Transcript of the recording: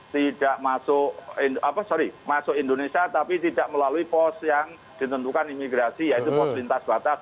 tidak masuk indonesia tapi tidak melalui pos yang ditentukan imigrasi yaitu pos lintas batas